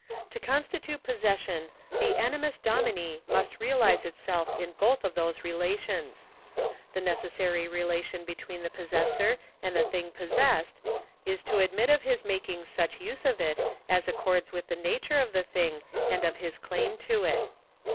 To constitute possession the animus domini must realise itself in both of those relations. The necessary relation between the possessor and the thing possessed is such as to admit of his making such use of it as accords with the nature of the thing and of his claim to it.